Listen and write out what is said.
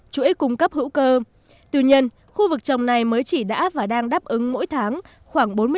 chuỗi cung cấp hữu cơ tuy nhiên khu vực trồng này mới chỉ đã và đang đáp ứng mỗi tháng khoảng bốn mươi